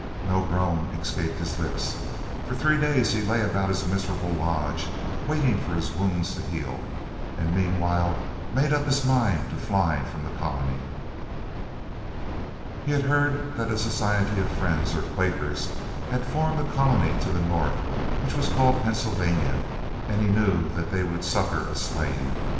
No groan escaped his lips. For three days he lay about his miserable lodge waiting for his wounds to heal, and meanwhile made up his mind to fly from the colony. He had heard that a society of Friends, or Quakers, had formed a colony to the north, which was called Pennsylvania; and he knew that they would succor a slave.